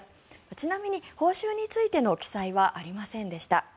ちなみに報酬についての記載はありませんでした。